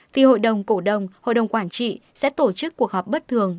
thì hội đồng cổ đồng hội đồng quản trị sẽ tổ chức cuộc họp bất thường